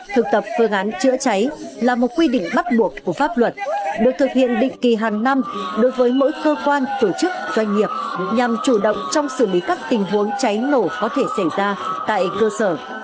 thực tập phương án chữa cháy là một quy định bắt buộc của pháp luật được thực hiện định kỳ hàng năm đối với mỗi cơ quan tổ chức doanh nghiệp nhằm chủ động trong xử lý các tình huống cháy nổ có thể xảy ra tại cơ sở